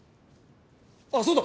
ああそうだ！